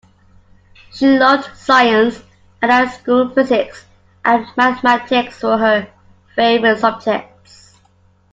She loved science, and at school physics and mathematics were her favourite subjects